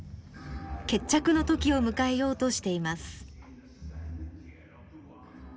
決着の時を迎えようとしています。